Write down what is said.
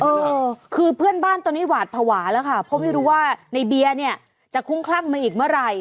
เออคือเพื่อนบ้านตอนนี้หวาดภาวะแล้วค่ะเพราะไม่รู้ว่าในเบียร์เนี่ยจะคุ้มคลั่งมาอีกเมื่อไหร่